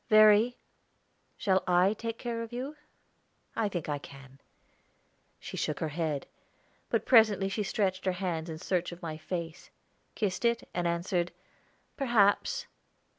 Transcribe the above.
"Verry, shall I take care of you? I think I can." She shook her head; but presently she stretched her hands in search of my face, kissed it, and answered, "Perhaps."